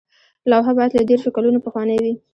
لوحه باید له دیرشو کلونو پخوانۍ وي.